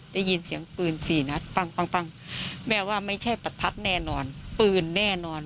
ได้ยินเสียงปืนสี่นัดปั้งแม่ว่าไม่ใช่ประทัดแน่นอนปืนแน่นอน